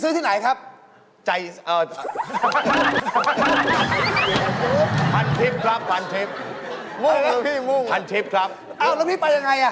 เอ้าแล้วพี่ไปยังไง